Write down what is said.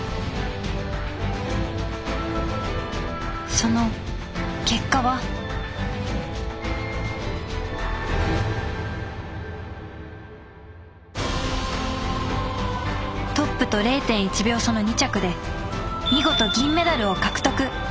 その結果はトップと０．１秒差の２着で見事銀メダルを獲得！